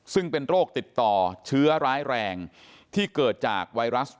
ซึ่งเป็นโรคติดต่อเชื้อร้ายแรงที่เกิดจากไวรัส